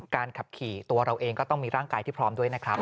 ขับขี่ตัวเราเองก็ต้องมีร่างกายที่พร้อมด้วยนะครับ